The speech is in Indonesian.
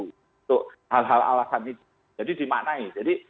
itu hal hal alasan itu jadi dimaknai jadi